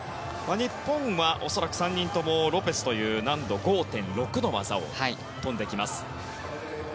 日本は恐らく３人ともロペスという難度５．６の技を跳んできます。